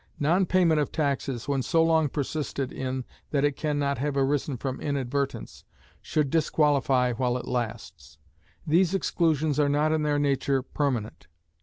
Non payment of taxes, when so long persisted in that it can not have arisen from inadvertence, should disqualify while it lasts. These exclusions are not in their nature permanent.